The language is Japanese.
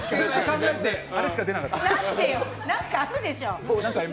何かあるでしょ！